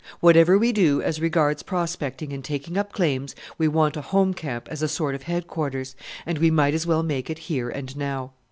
Whatever we do as regards prospecting and taking up claims, we want a home camp as a sort of headquarters; and we might as well make it here and now.